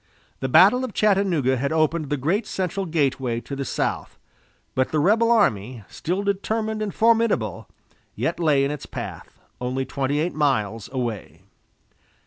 The battle of Chattanooga had opened the great central gateway to the south, but the rebel army, still determined and formidable, yet lay in its path, only twenty eight miles away.